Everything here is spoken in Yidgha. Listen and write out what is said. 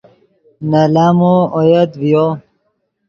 نے لامو اویت ڤیو